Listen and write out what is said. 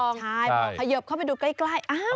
ใช่เขยิบเข้าไปดูใกล้